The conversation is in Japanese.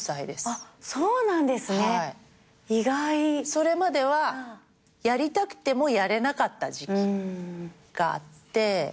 それまではやりたくてもやれなかった時期があって。